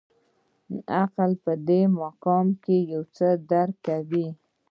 عقل په دې مقام کې یو څه درک کوي.